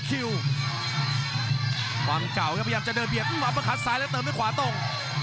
ความเก่าก็พยายามจะเดินเบียดอุ๊ยอับประคัดซ้ายแล้วเติมให้ขวาตรง